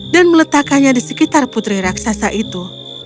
dan meletakkannya di sekitar putri raksasa itu